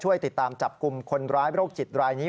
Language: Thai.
ติดตามจับกลุ่มคนร้ายโรคจิตรายนี้